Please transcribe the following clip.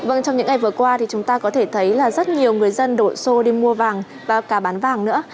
vâng trong những ngày vừa qua thì chúng ta có thể thấy là rất nhiều người dân đổ xô đi mua vàng và cả bán vàng nữa